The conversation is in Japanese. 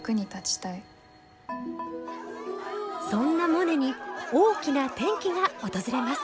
そんなモネに大きな転機が訪れます！